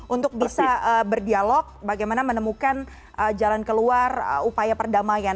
untuk bisa berdialog bagaimana menemukan jalan keluar upaya perdamaian